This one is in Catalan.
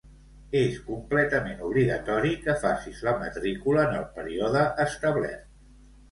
És completament obligatori que facis la matrícula en el període establert.